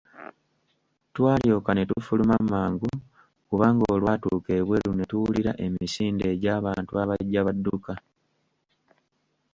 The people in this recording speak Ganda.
Twalyoka ne tufuluma mangu kubanga olw'atuuka ebweru ne tuwulira emisinde egy'abantu abajja badduka.